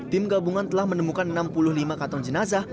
tim gabungan telah menemukan enam puluh lima kantong jenazah